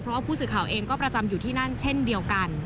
เพราะว่าผู้สื่อข่าวเองก็ประจำอยู่ที่นั่นเช่นเดียวกัน